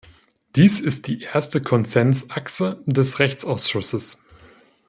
Dies ist die erste Konsensachse des Rechtsausschusses.